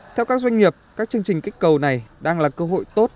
theo các doanh nghiệp các chương trình kích cầu này đang là cơ hội tốt